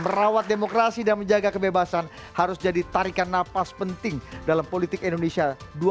merawat demokrasi dan menjaga kebebasan harus jadi tarikan napas penting dalam politik indonesia dua ribu dua puluh